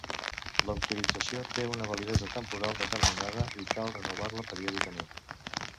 L'autorització té una validesa temporal determinada i cal renovar-la periòdicament.